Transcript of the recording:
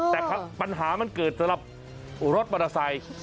แต่ปัญหามันเกิดสำหรับรถมอเตอร์ไซค์